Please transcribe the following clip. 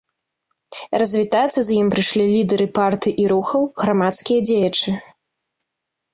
Развітацца з ім прыйшлі лідары партый і рухаў, грамадскія дзеячы.